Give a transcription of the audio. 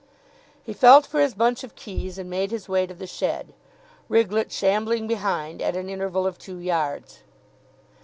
He felt for his bunch of keys, and made his way to the shed, Riglett shambling behind at an interval of two yards.